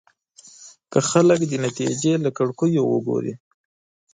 که خلک د نتيجې له کړکيو وګوري.